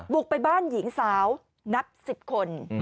บุกไปบ้านหญิงสาวนับ๑๐คน